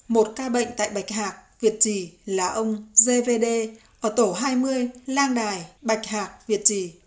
một ca bệnh tại bạch hạc việt trì là ông gvd ở tổ hai mươi lang đài bạch hạc việt trì